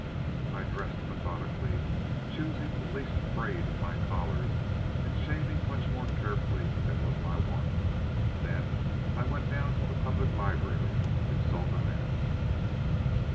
I dressed methodically, choosing the least frayed of my collars, and shaving much more carefully than was my wont; then I went down to the Public Library to consult a map.